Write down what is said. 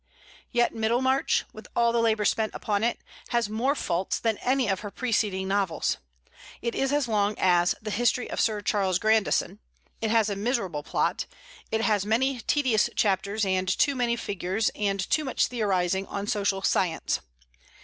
Yet "Middlemarch," with all the labor spent upon it, has more faults than any of her preceding novels. It is as long as "The History of Sir Charles Grandison;" it has a miserable plot; it has many tedious chapters, and too many figures, and too much theorizing on social science.